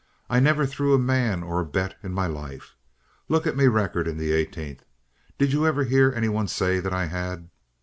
"I never threw a man or a bet in my life. Look at me record in the eighteenth. Did you ever hear any one say that I had?"